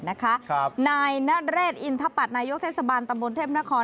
นายนัดเรศอินทรัพย์นายยกเศรษฐบาลตำบลเทพนคร